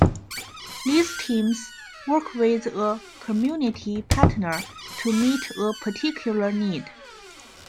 These teams work with a community partner to meet a particular need.